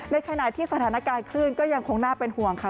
ในขณะที่สถานการณ์คลื่นก็ยังคงน่าเป็นห่วงค่ะ